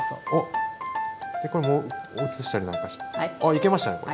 いけましたねこれ。